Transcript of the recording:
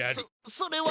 そそれは？